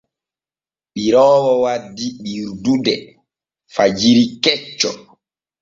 Ɓiroowo waddi ɓirdude fagiri kecce.